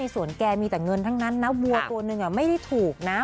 ส่วนแกมีแต่เงินทั้งนั้นนะวัวตัวหนึ่งไม่ได้ถูกนะ